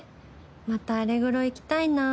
またアレグロ行きたいなぁ」。